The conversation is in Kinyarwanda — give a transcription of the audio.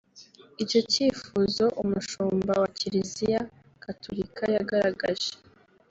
Icyo cyifuzo umushumba wa Kiliziya gatulika yagaragaje